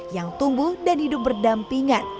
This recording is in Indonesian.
yang tumbuh dan hidup berdampingan